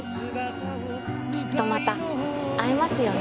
きっとまた会えますよね？